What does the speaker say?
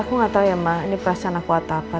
aku gak tau ya emang ini perasaan aku apa apa